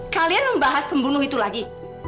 kalian membahas pembunuh itu lagi